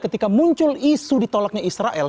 ketika muncul isu ditolaknya israel